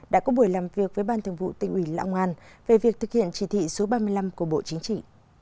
đã có buổi làm việc với ban thường vụ tỉnh ủy lão ngoan về việc thực hiện chỉ thị số ba mươi năm của bộ chính trị